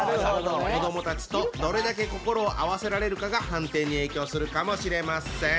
子どもたちとどれだけ心を合わせられるかが判定に影響するかもしれません。